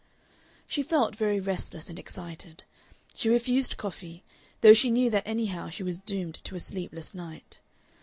She felt very restless and excited. She refused coffee, though she knew that anyhow she was doomed to a sleepless night.